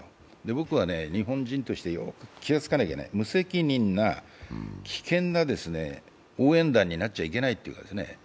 僕は日本人として、気がつかなきゃいけない、無責任な危険な応援団になっちゃいけないと思うんです